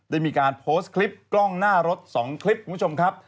ได้มีการโพสต์คลิปกล้องหน้ารถ๒คลิปคุณผู้ชมครับ